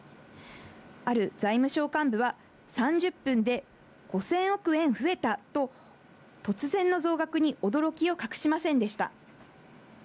ある財務省幹部は、３０分で５０００億円増えたと、突然の増額に驚きを隠しませんでした。